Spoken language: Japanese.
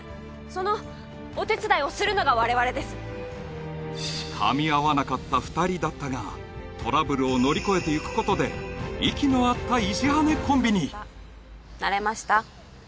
そのお手伝いをするのが我々です噛み合わなかった二人だったがトラブルを乗り越えていくことで息の合った石羽コンビに慣れました？